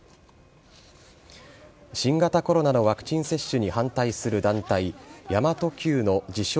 新型コロナのワクチン接種に反対する団体神真都Ｑの自称